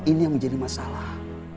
ini yang menjadi masalah